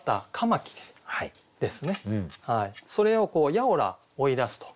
それを「やをら追い出す」と。